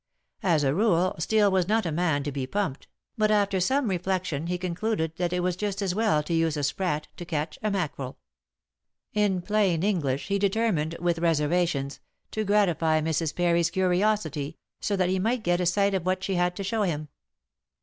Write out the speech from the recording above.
As a rule Steel was not a man to be pumped, but after some reflection he concluded that it was just as well to use a sprat to catch a mackerel. In plain English, he determined, with reservations, to gratify Mrs. Parry's curiosity, so that he might get a sight of what she had to show him.